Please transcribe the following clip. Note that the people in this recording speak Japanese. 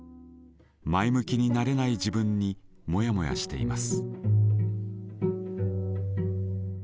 前向きになれない自分にモヤモヤしています。